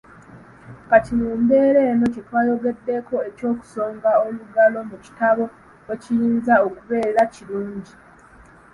Kati mu mbeera eno kyetwayogedeko eky'okusonga olugalo mu kitabo weekiyinza okubeerera ekirungi.